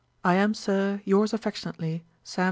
'I am, Sir, 'Yours affectionately, 'SAM.